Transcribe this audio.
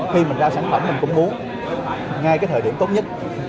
khi mình ra sản phẩm mình cũng muốn ngay cái thời điểm tốt nhất